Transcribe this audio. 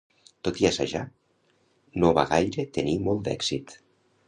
Tot i assajar, no va gaire tenir molt d'èxit.